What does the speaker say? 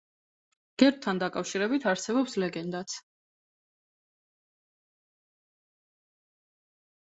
გერბთან დაკავშირებით არსებობს ლეგენდაც.